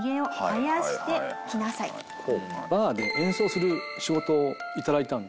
バーで演奏する仕事を頂いたんですよ。